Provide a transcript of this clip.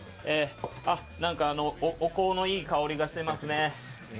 何かお香のいい香りがしてますね。